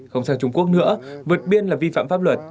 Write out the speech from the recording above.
không sang trung quốc nữa vượt biên là vi phạm pháp luật